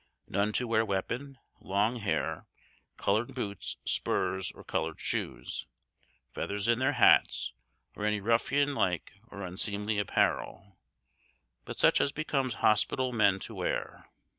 None to wear weapon, long hair, colored boots, spurs, or colored shoes, feathers in their hats, or any ruffian like or unseemly apparel, but such as becomes hospital men to wear."